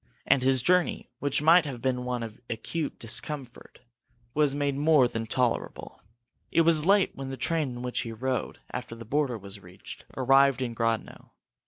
And his journey, which might have been one of acute discomfort, was made more than tolerable. It was late when the train in which he rode after the border was reached arrived in Grodno.